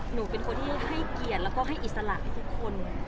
หนูเป็นคนที่ให้เกียรติแล้วก็ให้อิสระให้ทุกคน